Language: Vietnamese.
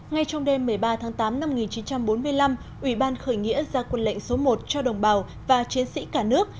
ngay trong đêm một mươi ba tháng tám năm một nghìn chín trăm bốn mươi năm ủy ban khởi nghĩa ra quân lệnh số một cho đồng bào và chiến sĩ cả nước